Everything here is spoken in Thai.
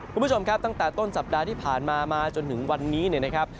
คุณผู้ชมครับตั้งแต่ต้นสัปดาห์ที่ผ่านมามาจนถึงวันนี้เนี่ยนะครับ